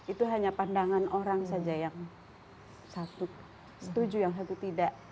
itu hanya pandangan orang saja yang satu setuju yang satu tidak